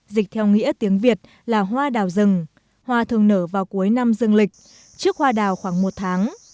dịch theo nghĩa tiếng việt là hoa đào rừng hoa thường nở vào cuối năm rừng lịch trước hoa đào khoảng một tháng